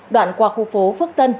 đoạn qua khu phố phước tân